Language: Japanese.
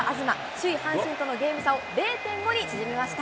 首位阪神とのゲーム差を０．５に縮めました。